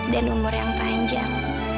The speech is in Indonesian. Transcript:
dan umur yang panjang